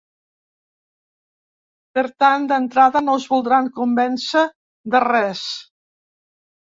Per tant, d’entrada no us voldran convèncer de res.